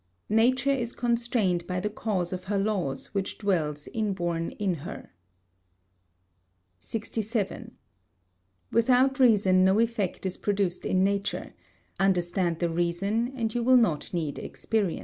Nature is constrained by the cause of her laws which dwells inborn in her. 67. Without reason no effect is produced in nature; understand the reason and you will not need experience.